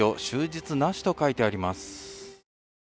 終日なし」と書いてあります。